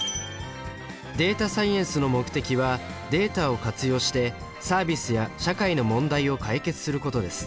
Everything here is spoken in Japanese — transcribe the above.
データサイエンスの目的はデータを活用してサービスや社会の問題を解決することです。